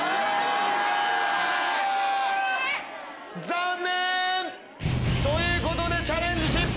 残念！ということでチャレンジ失敗。